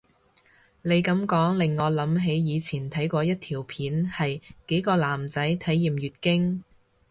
你噉講令我諗起以前睇過一條片係幾個男仔體驗月經